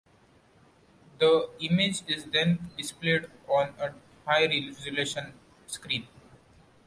The image is then displayed on a high-resolution screen.